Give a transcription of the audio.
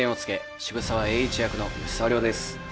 渋沢栄一役の吉沢亮です。